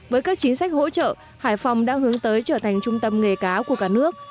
với các chính sách hỗ trợ hải phòng đã hướng tới trở thành trung tâm nghề cá của cả nước